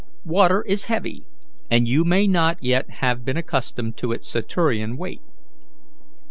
Water is heavy, and you may not yet have become accustomed to its Saturnian weight."